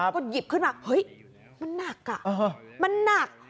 ก็หยิบขึ้นมามันหนัก